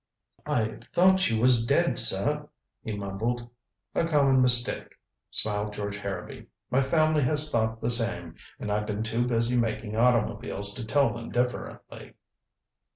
"I thought you was dead, sir," he mumbled. "A common mistake," smiled George Harrowby. "My family has thought the same, and I've been too busy making automobiles to tell them differently.